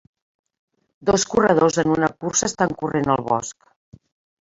Dos corredors en una cursa estan corrent al bosc.